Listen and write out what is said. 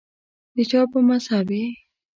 دچا په مذهب یی